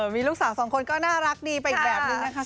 มีลูกสาวสองคนก็น่ารักดีไปอีกแบบนึงนะคะ